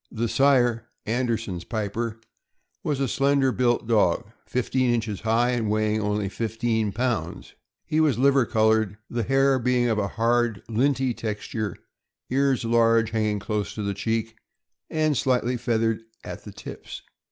The sire, Anderson's Piper, was a slender built dog, fifteen inches high, and weighing only fifteen pounds; he was liver col ored, the hair being of a hard, linty texture; ears large, hanging close to the cheek, and slightly feathered at the tips.